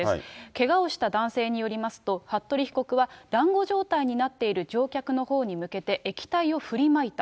けがをした男性によりますと、服部被告はだんご状態になっている乗客のほうに向けて液体を振りまいた。